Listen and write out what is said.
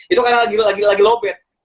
itu karena lagi lobet